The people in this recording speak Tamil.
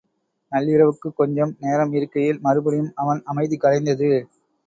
நள்ளிரவுக்குக் கொஞ்சம் நேரம் இருக்கையில் மறுபடியும் அவன் அமைதி கலைந்தது.